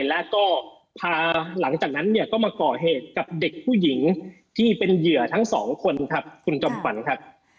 แล้วก็พาหลังจากนั้นเนี่ยก็มาก่อเหตุกับเด็กผู้หญิงที่เป็นเหยื่อทั้งสองคนครับคุณจอมขวัญครับ